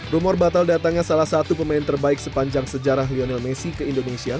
rumor batal datangnya salah satu pemain terbaik sepanjang sejarah lionel messi ke indonesia